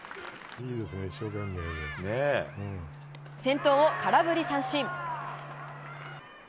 先頭を空振り三振。